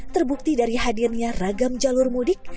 terbukti dari hadirnya ragam jalur mudik